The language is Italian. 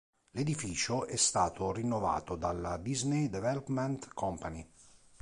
L'edificio è stato rinnovato dalla Disney Development Company.